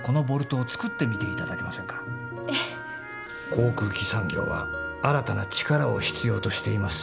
航空機産業は新たな力を必要としています。